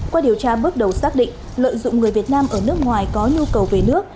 qua điều tra bước đầu xác định lợi dụng người việt nam ở nước ngoài có nhu cầu về nước